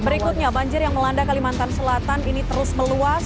berikutnya banjir yang melanda kalimantan selatan ini terus meluas